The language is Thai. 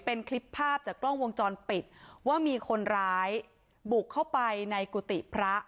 เป็นคลิปภาพจากกล้องวงจรปิดว่ามีคนร้ายบุกเข้าไปในกุฏิพระ